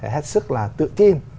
hết sức là tự tin